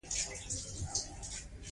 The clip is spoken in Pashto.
هغه په خپل کتاب کې ګڼې اوازې ثبت کړې دي.